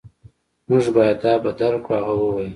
موږ باید دا بدل کړو هغه وویل